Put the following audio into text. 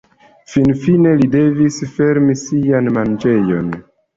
Finfine li devis fermi sian manĝejon.